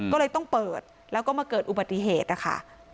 ก็เลยต้องเปิดแล้วก็มาเกิดอุบัติเหตุนะคะ